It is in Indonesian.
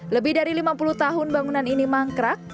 lebih dari lima puluh tahun bangunan ini mangkrak